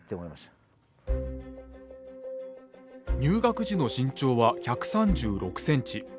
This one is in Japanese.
入学時の身長は１３６センチ。